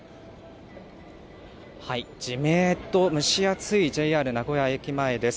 じめっと蒸し暑いＪＲ名古屋駅前です。